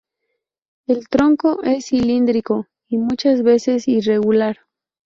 El tronco es cilíndrico y muchas veces irregular.